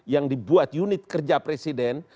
yang dibuat unit kerja presiden